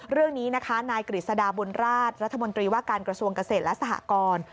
เรื่องนี้นะคะนายกฤษฎาบุญราชรัฐมนตรีว่าการกระทรวงเกษตรและสหกร